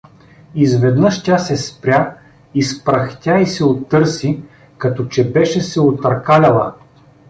Изведнъж тя се спря, изпръхтя и се отърси, като че беше се отъркаляла.